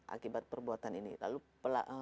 akibat perbuatan ini lalu